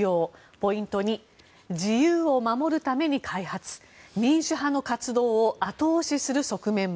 ポイント２自由を守るために開発民主派の活動を後押しする側面も。